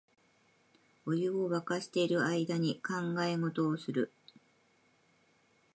お湯をわかしてる間に考え事をする